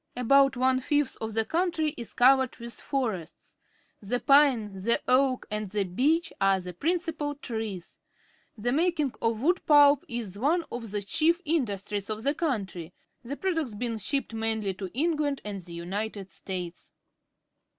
About one fifth of the country is covered with forests. The pine, the oak, and the beech are the principal trees. The making of wood pulp is one of the chigf _ industrie s of the countrj% the products being shipped mainly to England and the L^nited States.